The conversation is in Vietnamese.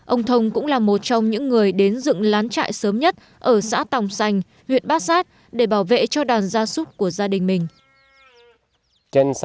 ông thông cũng là một trong những người đến dựng lán trại sớm nhất ở xã tòng sành huyện bát sát để bảo vệ cho đàn gia súc của gia đình mình